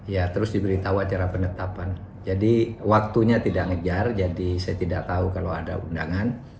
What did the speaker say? ya terus diberitahu acara penetapan jadi waktunya tidak ngejar jadi saya tidak tahu kalau ada undangan